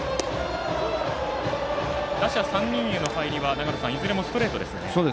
打者３人への入りは、いずれもストレートですね。